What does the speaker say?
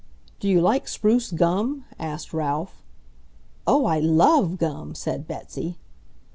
"Do you like spruce gum?" asked Ralph. "Oh, I LOVE gum!" said Betsy.